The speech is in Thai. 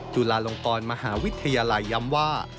จุฬาลงกรมหาวิทยาลัยย้ำว่า